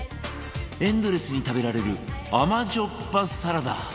エンドレスに食べられる甘じょっぱサラダ